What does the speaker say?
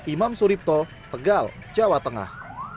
imam suripto tegal jawa tengah